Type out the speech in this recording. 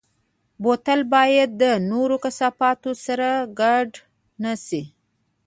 بوتل باید د نورو کثافاتو سره ګډ نه شي.